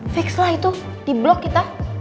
fix lah itu di blok kita